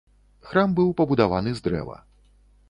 Храм быў пабудаваны з дрэва.